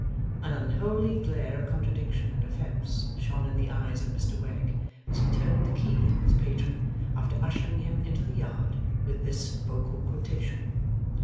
An unholy glare of contradiction and offence shone in the eyes of Mr Wegg, as he turned the key on his patron, after ushering him into the yard with this vocal quotation.